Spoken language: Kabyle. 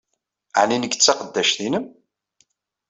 Ɛni nekk d taqeddact-nnem?